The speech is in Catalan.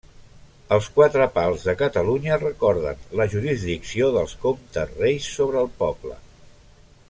Els quatre pals de Catalunya recorden la jurisdicció dels comtes reis sobre el poble.